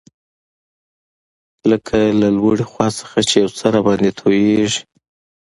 لکه له لوړې خوا څخه چي یو څه راباندي تویېږي.